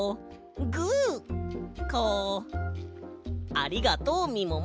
ありがとうみもも。